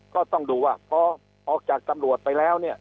ก็ต้องดูว่าพอออกจากตำรวจไปแล้วเนี่ย